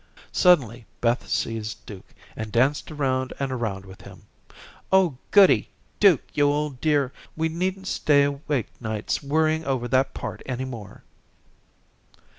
Suddenly Beth seized Duke, and danced around and around with him. "Oh, goody. Duke, you old dear, we needn't stay awake nights worrying over that part any more."